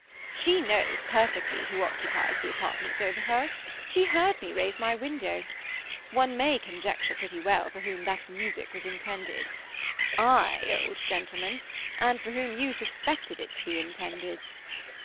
She knows perfectly who occupies the apartments over hers; she heard me raise my window. One may conjecture pretty well for whom that music was intended aye, old gentleman, and for whom you suspected it to be intended."